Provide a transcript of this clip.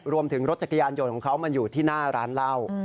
รวมถึงรถจักรยานยนต์ของเขามันอยู่ที่หน้าร้านเหล้า